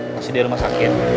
masih di rumah sakit